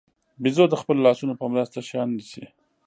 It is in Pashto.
بیزو د خپلو لاسونو په مرسته شیان نیسي.